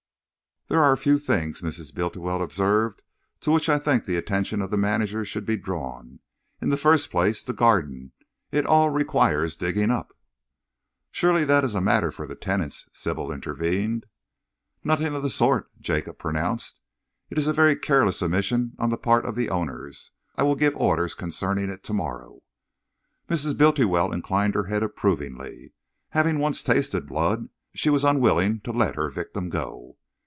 "There are a few things," Mrs. Bultiwell observed, "to which I think the attention of the manager should be drawn. In the first place, the garden. It all requires digging up." "Surely that is a matter for the tenants," Sybil intervened. "Nothing of the sort," Jacob pronounced. "It is a very careless omission on the part of the owners. I will give orders concerning it to morrow." Mrs. Bultiwell inclined her head approvingly. Having once tasted blood, she was unwilling to let her victim go.